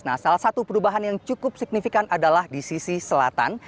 nah salah satu perubahan yang cukup signifikan adalah di sisi selatan